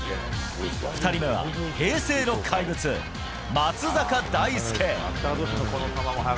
２人目は平成の怪物、松坂大輔。